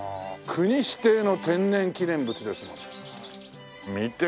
国指定の天然記念物ですもの。